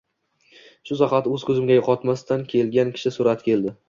Shu zahoti ko’z o’ngimga qotmadan kelgan kishi surati keldi.